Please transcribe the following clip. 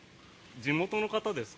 地元の方ですか？